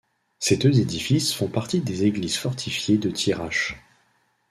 Ces deux édifices font partie des églises fortifiées de Thiérache.